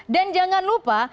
dan jangan lupa